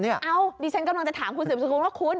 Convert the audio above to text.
ดิฉันกำลังจะถามคุณเสียบสุรุงว่าคุณ